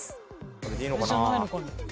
これでいいのかな？